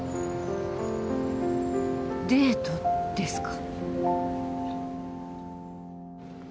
デートですか？